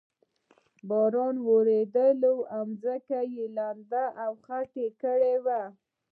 باران ورېدلی و، ځمکه یې لنده او خټینه کړې وه.